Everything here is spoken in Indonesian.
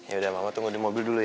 yaudah mama tunggu di mobil dulu ya